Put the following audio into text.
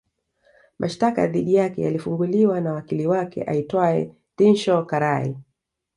Mashtaka dhidi yake yalifunguliwa na wakili wake aitwae Dinshaw Karai